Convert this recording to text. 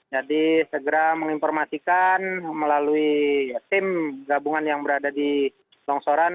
jadi segera menginformasikan melalui tim gabungan yang berada di longsoran